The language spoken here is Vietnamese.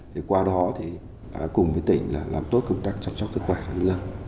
thì qua đó thì cùng với tỉnh là làm tốt công tác chăm sóc sức khỏe cho nhân dân